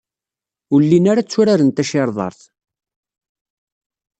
Ur llin ara tturaren tacirḍart.